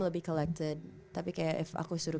lebih collected tapi kayak if aku suruh